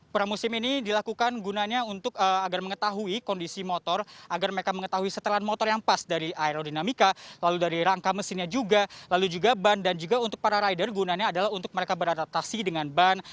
pramusim ini dilakukan gunanya untuk agar mengetahui kondisi motor agar mereka mengetahui setelan motor yang pas dari aerodinamika lalu dari rangka mesinnya juga lalu juga ban dan juga untuk para rider gunanya adalah untuk mereka beradaptasi dengan ban